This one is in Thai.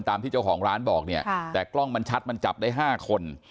ที่เจ้าของร้านบอกเนี่ยแต่กล้องมันชัดมันจับได้๕คน